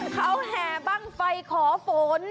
เขาแห่บ้างไฟขอฝน